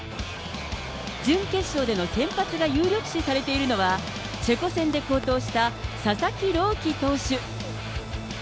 準決勝での先発が有力視されているのは、チェコ戦で好投した佐々木朗希投手。